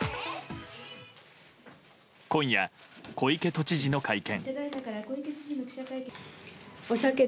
今夜、小池都知事の会見。